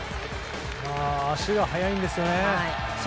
足が速いんですよね。